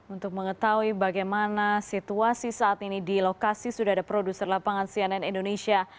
untuk mengetahui bagaimana situasi saat ini di lokasi sudah ada produser lapangan cnn indonesia